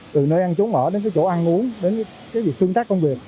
từ nơi ăn trốn ở đến cái chỗ ăn uống đến cái việc tương tác công việc